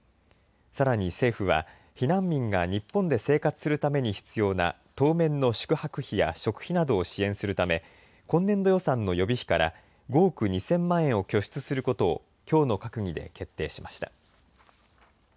さらに政府は避難民が日本で生活するために必要な当面の宿泊費や食費などを支援するため今年度予算の予備費から５億２０００万円を拠出することをきょうの閣議で決定しました。